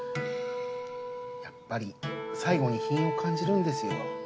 やっぱり最後に品を感じるんですよ。